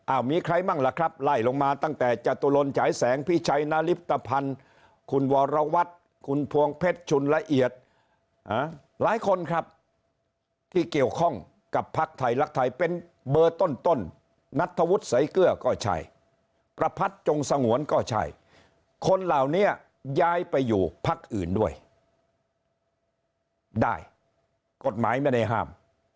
มีใครบ้างล่ะครับไล่ลงมาตั้งแต่จตุรนฉายแสงพิชัยนาริปตภัณฑ์คุณวรวัตรคุณพวงเพชรชุนละเอียดหลายคนครับที่เกี่ยวข้องกับพักไทยรักไทยเป็นเบอร์ต้นนัทธวุฒิสายเกลือก็ใช่ประพัทธจงสงวนก็ใช่คนเหล่านี้ย้ายไปอยู่พักอื่นด้วยได้กฎหมายไม่ได้ห้าม